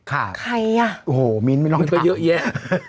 ค่ะอูโหมินทร์ไม่เราถาม